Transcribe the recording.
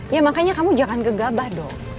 ya makanya kamu jangan gegabah dong